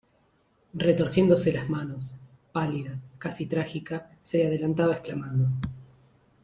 retorciéndose las manos, pálida , casi trágica , se adelantaba exclamando: